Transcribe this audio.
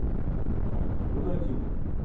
Bu da kim?